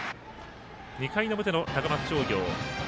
２回の表の高松商業。